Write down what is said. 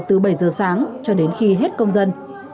từ bảy giờ sáng cho đến khi hết công dân